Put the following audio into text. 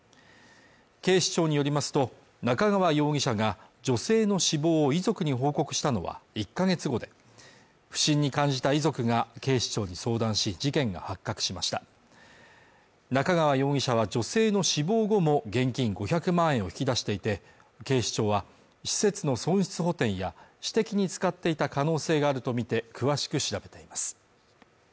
警視庁によりますと中川容疑者が女性の死亡を遺族に報告したのは１か月後で不審に感じた遺族が警視庁に相談し事件が発覚しました中川容疑者は女性の死亡後も現金５００万円を引き出していて警視庁は施設の損失補填や私的に使っていた可能性があるとみて詳しく調べています